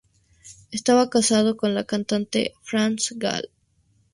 Estaba casado con la cantante France Gall.